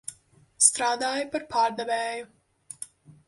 Strādāju par pārdevēju.